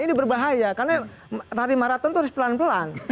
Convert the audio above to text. ini berbahaya karena tari maraton itu harus pelan pelan